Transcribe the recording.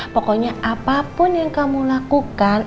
pokoknya apapun yang kamu lakukan